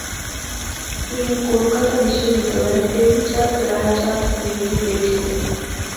তিনি কলকাতা বিশ্ববিদ্যালয়ের প্রেমচাঁদ-রায়চাঁদ বৃত্তি পেয়েছিলেন।